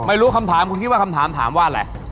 ไม่รู้คำถามคุณคิดว่าคำถามถามว่าอะไร